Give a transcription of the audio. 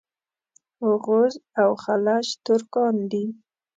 اوغوز او خَلَج ترکان دي.